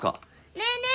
ねえねえ